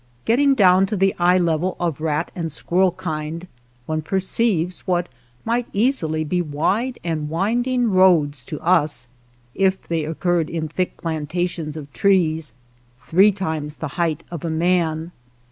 Getting down to the eye level of rat and squirrel kind, one perceives what might easily be wide and winding roads to us if they occurred in thick plantations of trees three times the height of a man.